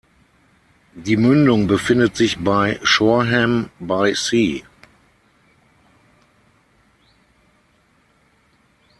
Die Mündung befindet sich bei Shoreham-by-Sea.